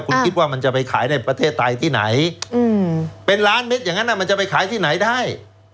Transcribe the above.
คุณคิดว่ามันจะไปขายในประเทศไทยที่ไหนเป็นล้านเม็ดอย่างนั้นมันจะไปขายที่ไหนได้